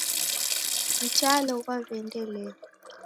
Mtalo ghwaw'eendelea.